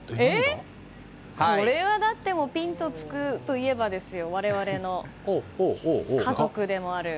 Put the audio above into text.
だって「ピン」とつくといえば我々の家族でもある。